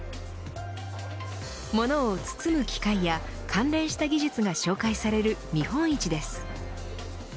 物を包む機械や関連した技術が紹介される見本市です。